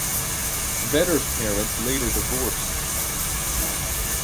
Vetter's parents later divorced.